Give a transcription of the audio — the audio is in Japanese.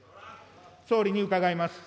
総理に伺います。